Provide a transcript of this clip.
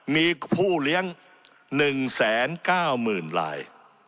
มีผู้เลี้ยง๑แสน๙หมื่นลาย